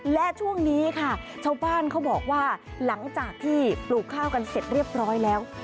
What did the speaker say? และช่วงนี้ค่ะชาวบ้านเขาบอกว่าหลังจากที่ปลูกข้าวกันเสร็จเรียบร้อยแล้ว